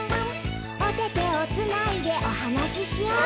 「おててをつないでおはなししよう」